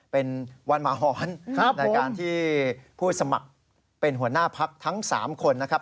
เป็นวันหมาหอนในการที่ผู้สมัครเป็นหัวหน้าพักทั้ง๓คนนะครับ